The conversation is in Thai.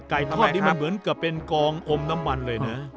ทอดนี่มันเหมือนกับเป็นกองอมน้ำมันเลยนะ